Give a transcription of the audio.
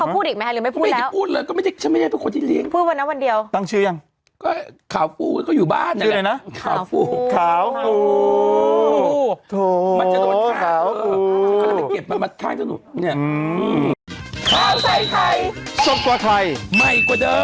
โปรดติดตามตอนต่อไป